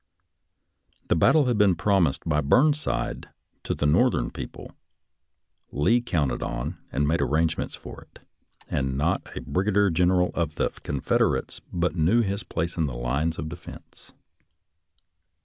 The bat tle had been promised by Burnside to the North ern people; Lee counted on, and made arrange ments for it, and not a brigadier general of the Confederates but knew his place in the lines of defense.